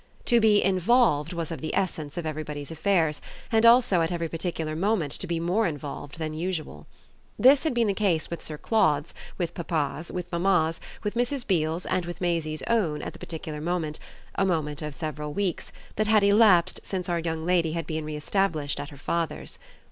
To be "involved" was of the essence of everybody's affairs, and also at every particular moment to be more involved than usual. This had been the case with Sir Claude's, with papa's, with mamma's, with Mrs. Beale's and with Maisie's own at the particular moment, a moment of several weeks, that had elapsed since our young lady had been re established at her father's.